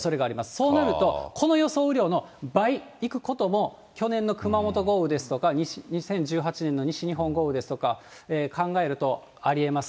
そうなると、この予想雨量の倍行くことも、去年の熊本豪雨ですとか、２０１８年の西日本豪雨ですとか考えるとありえます。